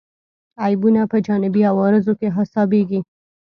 عیبونه په جانبي عوارضو کې حسابېږي.